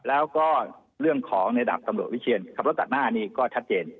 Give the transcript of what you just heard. แล้วก็เรื่องของในอดับกำหนดวิเชียนครับแล้วจากหน้านี่ก็ชัดเจน